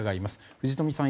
藤富さん